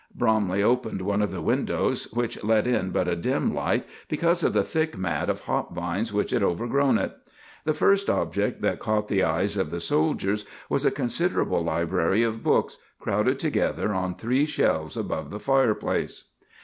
Bromley opened one of the windows, which let in but a dim light because of the thick mat of hop vines which had overgrown it. The first object that caught the eyes of the soldiers was a considerable library of books crowded together on three shelves above the fireplace.